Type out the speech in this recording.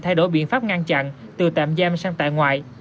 thay đổi biện pháp ngăn chặn từ tạm giam sang tại ngoại